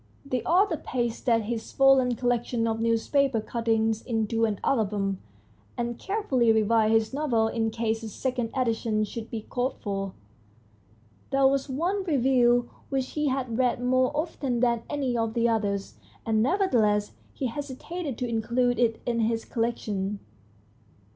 The author pasted his swollen collection of newspaper cuttings into an album, and care fully revised his novel in case a second edition should be called for. There was one review which he had read more often than any of the others, and nevertheless he hesitated to include 138 THE STORY OF A BOOK it in his collection.